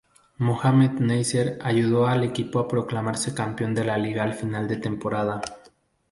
Mohammed Nasser ayudó al equipo a proclamarse campeón de Liga al final de temporada.